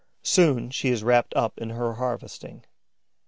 Soon she is wrapped up in her harvesting.